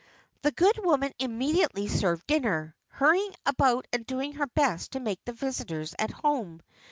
The good woman immediately served dinner, hurrying about and doing her best to make the visitors at home.